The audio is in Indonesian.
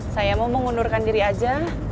saya mau mengundurkan diri aja